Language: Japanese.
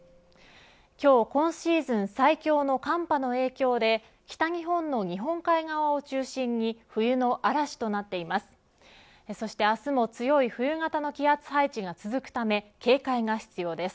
今日、今シーズン最強の寒波の影響で北日本の日本海側を中心に冬の嵐となっています。